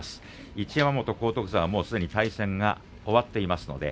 一山本、荒篤山はすでに対戦が終わっています。